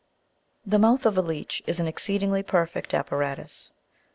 The mouth of a leech is an exceedingly perfect appara tus.